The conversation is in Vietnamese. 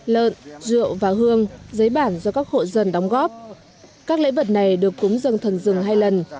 lợn rượu và hương giấy bản do các hộ dân đóng góp các lễ vật này được cúng dân thần rừng hai lần